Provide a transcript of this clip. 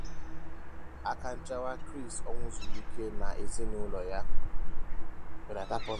Akanchawa Chris Ọnwụzurike na ezi n’ụlọ ya